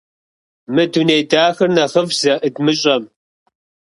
Мы дуней дахэр нэхъыфӀщ зэӀыдмыщӀэм.